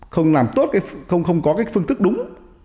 không làm tốt không có cái phương thức đúng